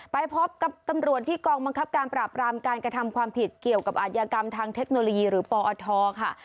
ไปพบกับตำรวจที่กองบังคับการปราบรามการกระทำความผิดเกี่ยวกับอาชญากรรมทางเทคโนโลยีหรือปอทค่ะ